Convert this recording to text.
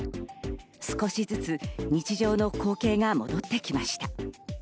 少しずつ日常の光景が戻ってきました。